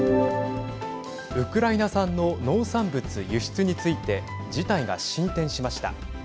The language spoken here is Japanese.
ウクライナ産の農産物輸出について事態が進展しました。